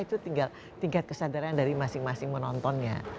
itu tinggal tingkat kesadaran dari masing masing menontonnya